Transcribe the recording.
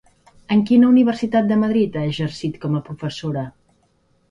En quina universitat de Madrid ha exercit com a professora?